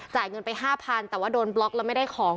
เงินไป๕๐๐แต่ว่าโดนบล็อกแล้วไม่ได้ของ